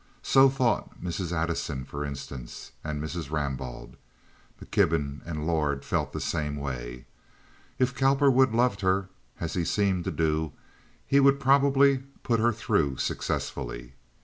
So thought Mrs. Addison, for instance, and Mrs. Rambaud. McKibben and Lord felt the same way. If Cowperwood loved her, as he seemed to do, he would probably "put her through" successfully.